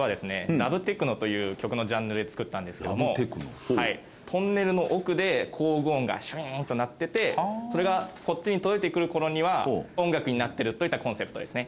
ダブテクノという曲のジャンルで作ったんですけどもトンネルの奥で工具音がシュイーンと鳴っててそれがこっちに届いてくる頃には音楽になってるといったコンセプトですね。